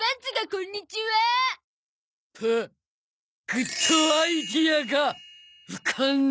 グッドアイデアが浮かんだ！